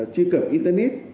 truy cập internet